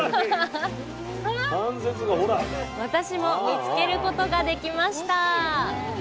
私も見つけることができました！